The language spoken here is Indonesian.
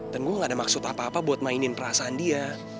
dan gue gak ada maksud apa apa buat mainin perasaan dia